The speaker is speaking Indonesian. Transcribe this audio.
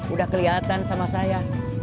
udah kelihatan sama saya